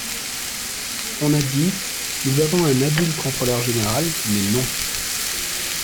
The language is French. On a dit : Nous avons un habile contrôleur général, mais non.